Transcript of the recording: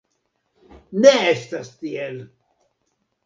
Ne estas tiel.